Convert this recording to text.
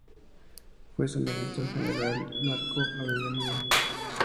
Fue su ministro general Marco Avellaneda.